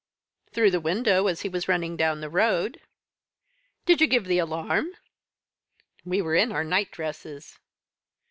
"Through the window, as he was running down the road." "Did you give the alarm?" "We were in our night dresses."